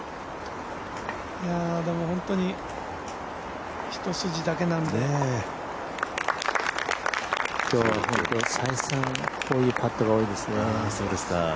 本当に一筋だけなんで今日は再三こういうパットが多いですね。